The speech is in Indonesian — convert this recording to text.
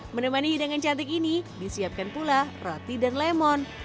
menemani hidangan cantik ini disiapkan pula roti dan lemon